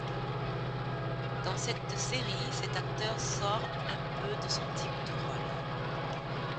Dans cette série, cet acteur sort un peu de son type de rôle.